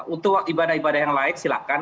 untuk ibadah ibadah yang lain silahkan